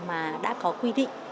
mà đã có quy định